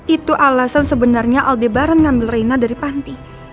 itu alasan sebenarnya aldebaran mengambil reina dari panti